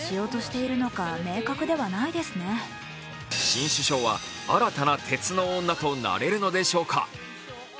新首相は新たな鉄の女となれるのでしょうか。